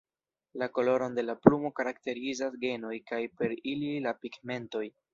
La koloron de la plumo karakterizas genoj kaj per ili la pigmentoj.